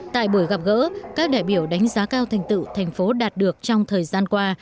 tại buổi gặp gỡ các đại biểu đánh giá cao thành tựu thành phố đạt được trong thời gian qua